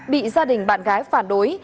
bị gia đình bạn gái phản đối